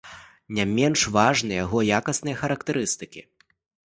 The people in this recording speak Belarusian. Не менш важныя яго якасныя характарыстыкі.